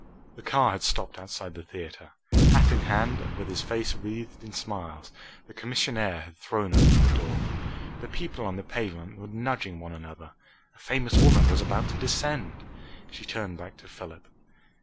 The car had stopped outside the theatre. Hat in hand, and with his face wreathed in smiles, the commissionaire had thrown open the door. The people on the pavement were nudging one another a famous woman was about to descend. She turned back to Philip.